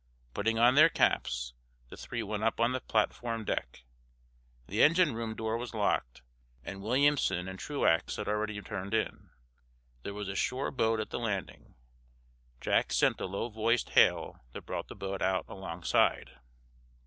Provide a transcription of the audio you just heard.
Putting on their caps, the three went up on the platform deck. The engine room door was locked and Williamson and Truax had already turned in. There was a shore boat at the landing. Jack sent a low voiced hail that brought the boat out alongside.